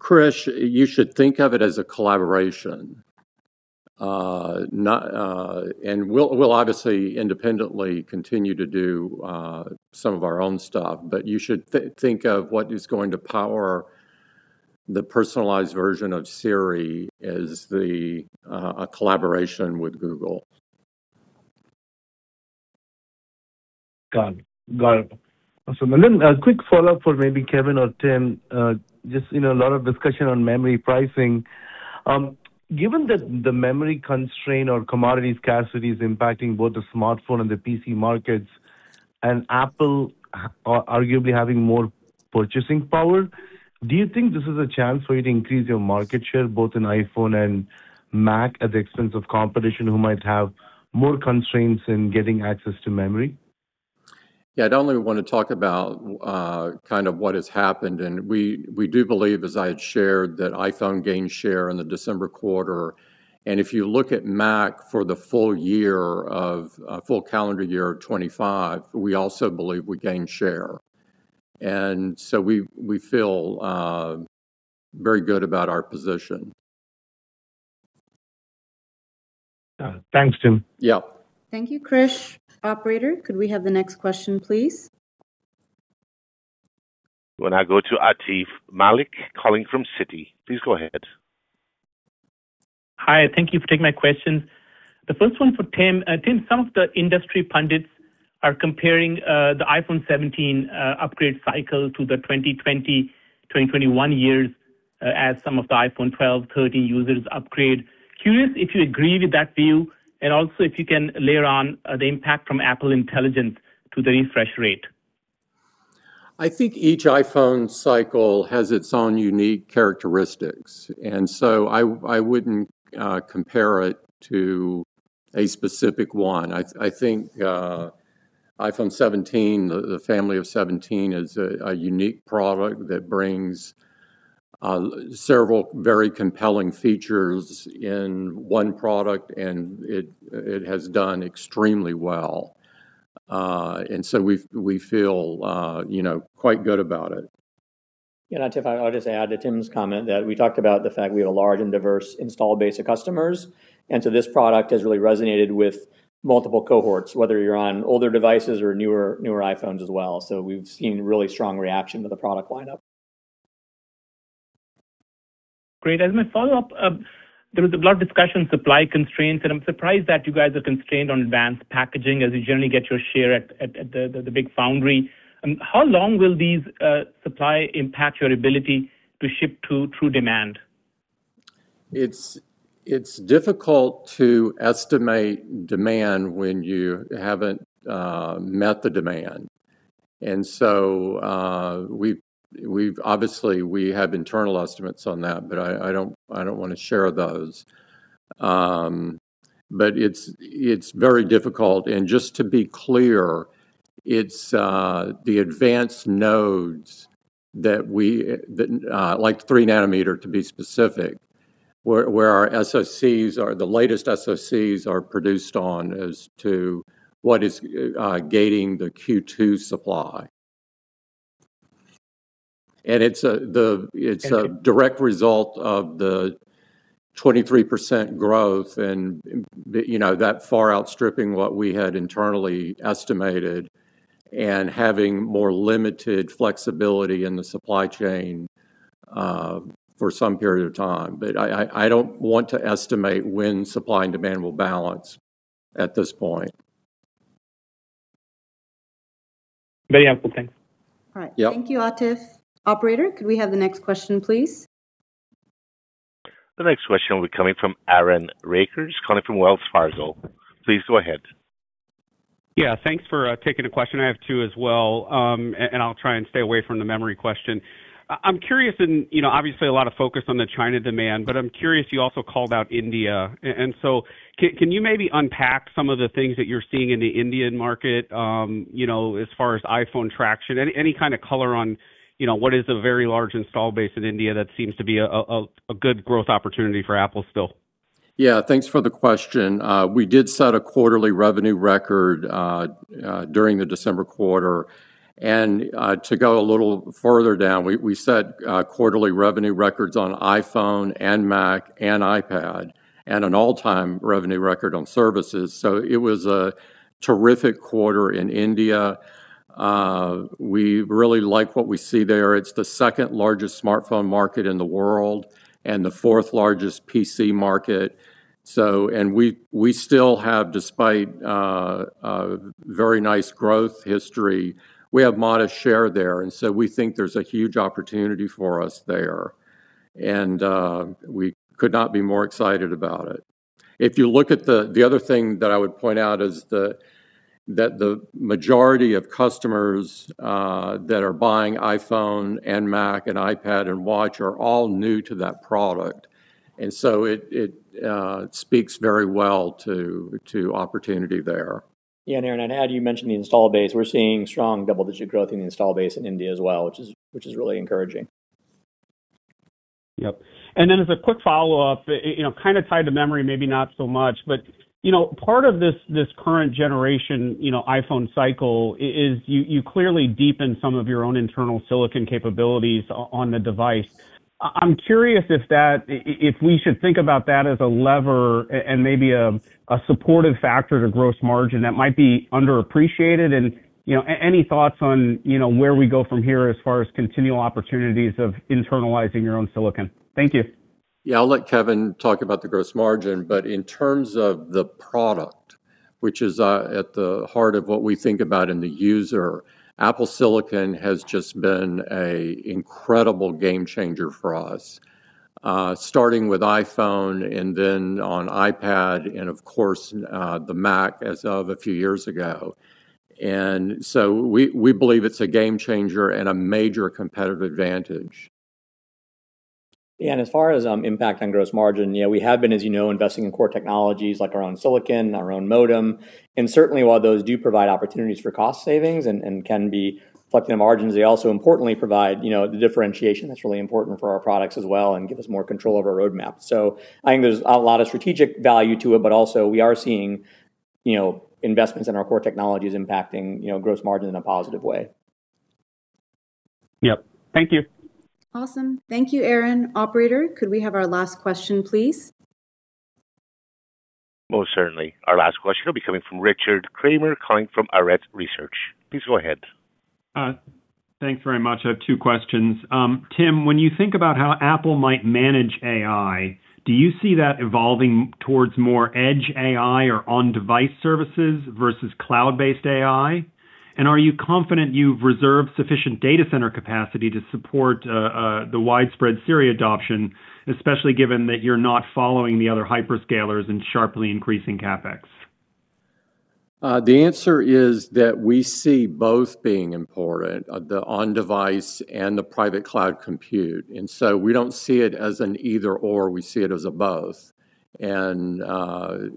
Krish, you should think of it as a collaboration. Not... And we'll, we'll obviously independently continue to do some of our own stuff, but you should think of what is going to power the personalized version of Siri as a collaboration with Google. Got it. Got it. So then a quick follow-up for maybe Kevan or Tim. Just, you know, a lot of discussion on memory pricing. Given that the memory constraint or commodities scarcity is impacting both the smartphone and the PC markets, and Apple arguably having more purchasing power, do you think this is a chance for you to increase your market share, both in iPhone and Mac, at the expense of competition, who might have more constraints in getting access to memory? Yeah, I'd only want to talk about, kind of what has happened. We do believe, as I had shared, that iPhone gained share in the December quarter. If you look at Mac for the full year of, full calendar year of 2025, we also believe we gained share. So we feel, very good about our position. Thanks, Tim. Yeah. Thank you, Krish. Operator, could we have the next question, please? We'll now go to Aatif Malik calling from Citi. Please go ahead. Hi, thank you for taking my questions. The first one for Tim. Tim, some of the industry pundits are comparing the iPhone 17 upgrade cycle to the 2020, 2021 years as some of the iPhone 12, 13 users upgrade. Curious if you agree with that view, and also if you can layer on the impact from Apple Intelligence to the refresh rate. I think each iPhone cycle has its own unique characteristics, and so I wouldn't compare it to a specific one. I think iPhone 17, the family of 17 is a unique product that brings several very compelling features in one product, and it has done extremely well. And so we feel, you know, quite good about it. Yeah, and I'll just add to Tim's comment that we talked about the fact we have a large and diverse installed base of customers, and so this product has really resonated with multiple cohorts, whether you're on older devices or newer, newer iPhones as well. So we've seen really strong reaction to the product lineup. Great. As my follow-up, there was a lot of discussion, supply constraints, and I'm surprised that you guys are constrained on advanced packaging as you generally get your share at the big foundry. How long will these supply impact your ability to ship to true demand? It's difficult to estimate demand when you haven't met the demand. And so, we've obviously. We have internal estimates on that, but I don't want to share those. But it's very difficult. And just to be clear, it's the advanced nodes that, like three nanometer, to be specific, where our SoCs are. The latest SoCs are produced on, as to what is gating the Q2 supply. And it's a the- Thank you. It's a direct result of the 23% growth and, you know, that far outstripping what we had internally estimated and having more limited flexibility in the supply chain for some period of time. But I don't want to estimate when supply and demand will balance at this point. Very helpful. Thanks. All right. Yep. Thank you, Aatif. Operator, could we have the next question, please? The next question will be coming from Aaron Rakers, calling from Wells Fargo. Please go ahead. Yeah, thanks for taking the question. I have two as well, and I'll try and stay away from the memory question. I'm curious, and, you know, obviously, a lot of focus on the China demand, but I'm curious, you also called out India. And so can you maybe unpack some of the things that you're seeing in the Indian market, you know, as far as iPhone traction? Any kind of color on, you know, what is a very large installed base in India that seems to be a good growth opportunity for Apple still? Yeah, thanks for the question. We did set a quarterly revenue record during the December quarter. To go a little further down, we set quarterly revenue records on iPhone and Mac and iPad, and an all-time revenue record on services. So it was a terrific quarter in India. We really like what we see there. It's the second largest smartphone market in the world and the fourth largest PC market. We still have, despite a very nice growth history, modest share there, and so we think there's a huge opportunity for us there. We could not be more excited about it. If you look at the... The other thing that I would point out is that the majority of customers that are buying iPhone and Mac and iPad and Watch are all new to that product, and so it speaks very well to opportunity there. Yeah, and Aaron, I'd add, you mentioned the installed base. We're seeing strong double-digit growth in the installed base in India as well, which is really encouraging. Yep. And then as a quick follow-up, you know, kind of tied to memory, maybe not so much, but, you know, part of this, this current generation, you know, iPhone cycle is you, you clearly deepen some of your own internal silicon capabilities on the device. I'm curious if that, if we should think about that as a lever and maybe a supportive factor to gross margin that might be underappreciated. And, you know, any thoughts on, you know, where we go from here as far as continual opportunities of internalizing your own silicon? Thank you. Yeah, I'll let Kevan talk about the gross margin, but in terms of the product, which is, at the heart of what we think about in the user, Apple Silicon has just been an incredible game changer for us, starting with iPhone and then on iPad and of course, the Mac as of a few years ago. And so we, we believe it's a game changer and a major competitive advantage. Yeah, and as far as impact on gross margin, yeah, we have been, as you know, investing in core technologies like our own silicon, our own modem. Certainly, while those do provide opportunities for cost savings and can be reflected in margins, they also importantly provide, you know, the differentiation that's really important for our products as well and give us more control over our roadmap. So I think there's a lot of strategic value to it, but also we are seeing, you know, investments in our core technologies impacting, you know, gross margin in a positive way. Yep. Thank you. Awesome. Thank you, Aaron. Operator, could we have our last question, please? Most certainly. Our last question will be coming from Richard Kramer, calling from Arete Research. Please go ahead. Thanks very much. I have two questions. Tim, when you think about how Apple might manage AI, do you see that evolving towards more edge AI or on-device services versus cloud-based AI? And are you confident you've reserved sufficient data center capacity to support the widespread Siri adoption, especially given that you're not following the other hyperscalers in sharply increasing CapEx? The answer is that we see both being important, the on-device and the Private Cloud Compute. And so we don't see it as an either/or. We see it as a both. And,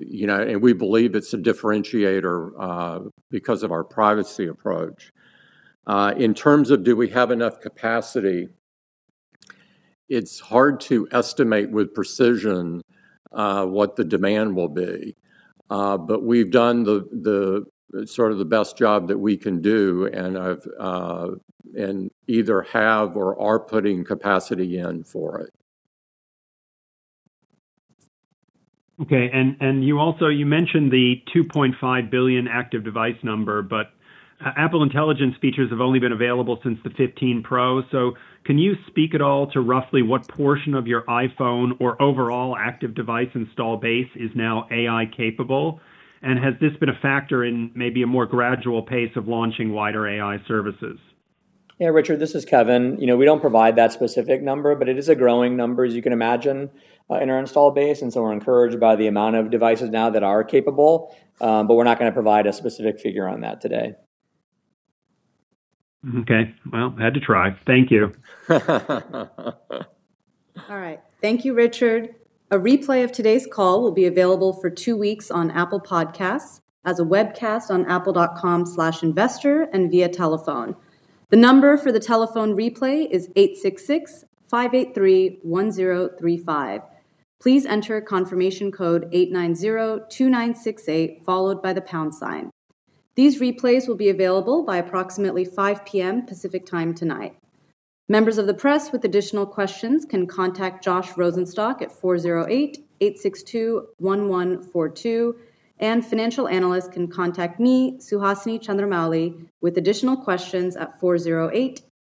you know, and we believe it's a differentiator because of our privacy approach. In terms of do we have enough capacity, it's hard to estimate with precision what the demand will be. But we've done the best job that we can do, and we either have or are putting capacity in for it. Okay. And you also mentioned the 2.5 billion active device number, but Apple Intelligence features have only been available since the 15 Pro. So can you speak at all to roughly what portion of your iPhone or overall active device installed base is now AI-capable? And has this been a factor in maybe a more gradual pace of launching wider AI services? Yeah, Richard, this is Kevan. You know, we don't provide that specific number, but it is a growing number, as you can imagine, in our installed base, and so we're encouraged by the amount of devices now that are capable. But we're not going to provide a specific figure on that today. Okay. Well, I had to try. Thank you. All right. Thank you, Richard. A replay of today's call will be available for two weeks on Apple Podcasts as a webcast on apple.com/investor and via telephone. The number for the telephone replay is 866-583-1035. Please enter confirmation code 8902968, followed by the pound sign. These replays will be available by approximately 5P.M. Pacific Time tonight. Members of the press with additional questions can contact Josh Rosenstock at 408-862-1142, and financial analysts can contact me, Suhasini Chandramouli, with additional questions at 408-8-